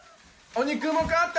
お肉も買った。